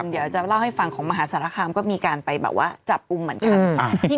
เดี๋ยวจะเล่าให้ฟังของมหาสารคามก็มีการไปแบบว่าจับกุมเหมือนกัน